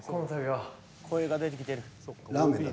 声が出てきてる。